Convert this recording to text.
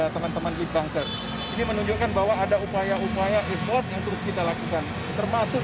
teman teman lead bankers ini menunjukkan bahwa ada upaya upaya ekspor yang terus kita lakukan termasuk